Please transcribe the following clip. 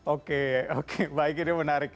oke oke baik ini menarik